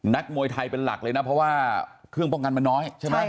มวยไทยเป็นหลักเลยนะเพราะว่าเครื่องป้องกันมันน้อยใช่ไหม